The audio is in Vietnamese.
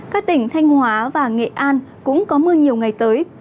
các tỉnh thanh hóa và nghệ an cũng có mưa nhiều ngày tới